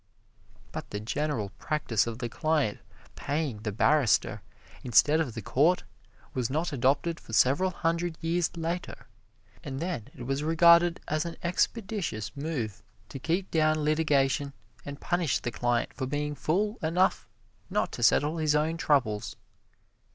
But the general practise of the client paying the barrister, instead of the court, was not adopted for several hundred years later, and then it was regarded as an expeditious move to keep down litigation and punish the client for being fool enough not to settle his own troubles.